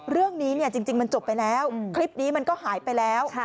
เรื่องนี้จริงมันจบไปแล้วคลิปนี้มันก็หายไปแล้ว